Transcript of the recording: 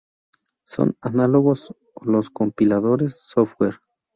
Son análogos a los compiladores software.